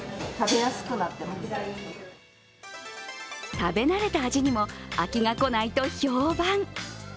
食べ慣れた味にも飽きが来ないと評判。